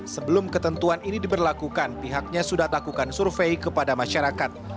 sebelum ketentuan ini diberlakukan pihaknya sudah lakukan survei kepada masyarakat